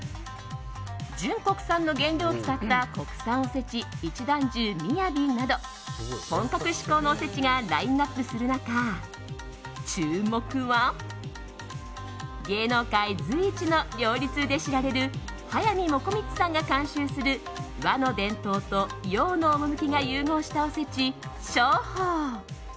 純国産の原料を使った国産おせち一段重雅など本格志向のおせちがラインアップする中、注目は芸能界随一の料理通で知られる速水もこみちさんが監修する和の伝統と洋の趣が融合したおせち、招宝。